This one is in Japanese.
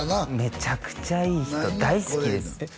めちゃくちゃいい人大好きですえっ